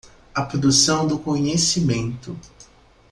A produção do conhecimento.